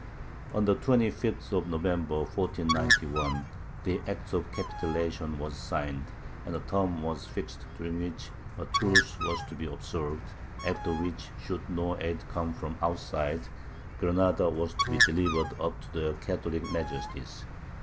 On the 25th of November, 1491, the act of capitulation was signed, and a term was fixed during which a truce was to be observed, after which, should no aid come from outside, Granada was to be delivered up to their Catholic Majesties.